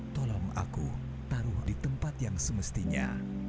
tolong aku taruh di tempat yang semestinya